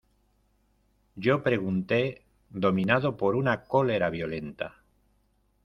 yo pregunté, dominado por una cólera violenta: